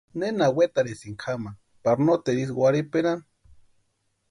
¿Nena wetarhisïnki jamani pari noteru ísï warhiperanhani?